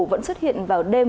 vẫn xuất hiện vào đêm